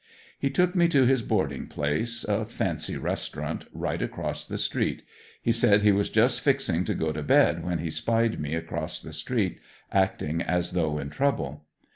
He took me to his boarding place, a fancy restaurant, right across the street; he said he was just fixing to go to bed when he spied me across the street, acting as though in trouble.